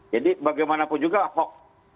jadi bagaimanapun juga hoks